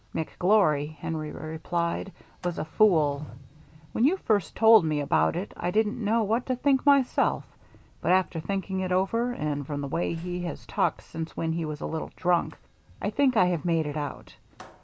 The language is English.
" McGlory," Henry replied, " was a fool. When you first told me about it, I didn't know what to think myself, but after thinking it over, and from the way he has talked since when he was a little drunk, I think I have made it out.